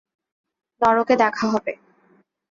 নরকে দেখা হবে।